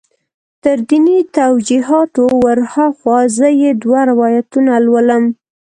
تر دیني توجیهاتو ور هاخوا زه یې دوه روایتونه لولم.